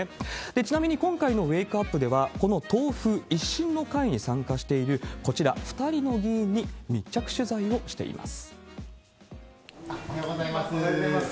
ちなみに、今回のウェークアップでは、この党風一新の会に参加しているこちら２人の議員に密着取材をしおはようございます。